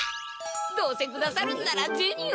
どうせくださるんならゼニを！